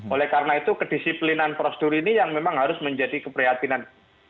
oleh karena itu kedisiplinan prosedur ini yang memang harus menjadi keprihatinan